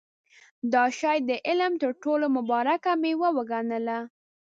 دا شی د علم تر ټولو مبارکه مېوه وګڼله.